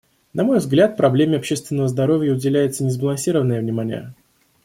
На мой взгляд, проблеме общественного здоровья уделяется несбалансированное внимание.